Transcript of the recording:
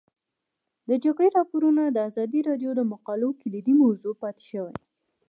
د جګړې راپورونه د ازادي راډیو د مقالو کلیدي موضوع پاتې شوی.